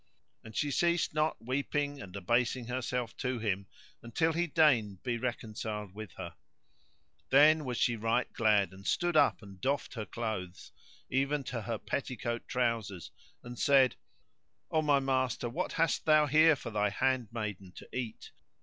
And she ceased not weeping and abasing herself to him until he deigned be reconciled with her. Then was she right glad and stood up and doffed her clothes, even to her petticoat trousers, and said, "0 my master what hast thou here for thy handmaiden to eat?